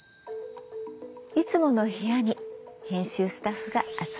いつもの部屋に編集スタッフが集まりました。